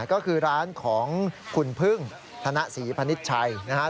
ก็คือร้านของคุณพึ่งธนสีพณิชชัยนะฮะ